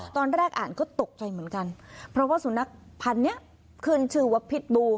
ตอนแรกอ่านก็ตกใจเหมือนกันเพราะว่าสุนัขพันธุ์นี้ขึ้นชื่อว่าพิษบู